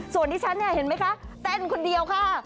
ส่วนที่ฉันเนี่ยเห็นไหมคะเต้นคนเดียวค่ะ